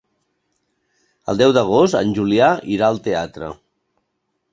El deu d'agost en Julià irà al teatre.